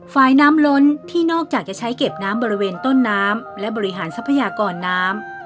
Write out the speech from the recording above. ฝ่ายน้ำล้นที่นอกจากจะใช้เก็บน้ำบริเวณต้นน้ำและบริหารทรัพยากรน้ำ